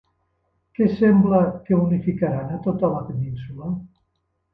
Què sembla que unificaran a tota la península?